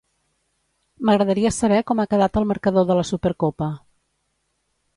M'agradaria saber com ha quedat el marcador de la Supercopa.